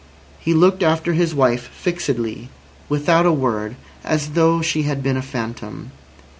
He looked after his wife fixedly, without a word, as though she had been a phantom.